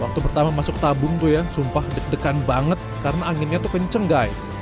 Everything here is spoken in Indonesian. waktu pertama masuk tabung tuh ya sumpah deg degan banget karena anginnya tuh kenceng guys